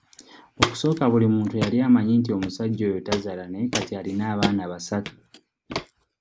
Okusooka buli muntu yali amanyi nti omusajja oyo tazaala naye kati alina abaana basatu.